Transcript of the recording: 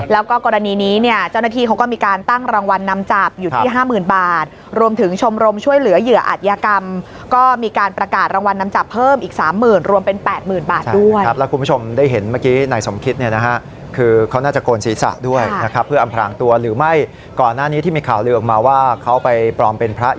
แล้วก็กรณีนี้เนี่ยเจ้าหน้าที่เขาก็มีการตั้งรางวัลนำจับอยู่ที่ห้าหมื่นบาทรวมถึงชมรมช่วยเหลือเหยื่ออาจยากรรมก็มีการประกาศรางวัลนำจับเพิ่มอีกสามหมื่นรวมเป็นแปดหมื่นบาทด้วยครับแล้วคุณผู้ชมได้เห็นเมื่อกี้ในสมคิดเนี่ยนะฮะคือเขาน่าจะโกนศีรษะด้วยนะครับเพื่ออำพรางตัวหรือไม่ก่อนหน้านี้ที่มีข่าวลือออกมาว่าเขาไปปลอมเป็นพระ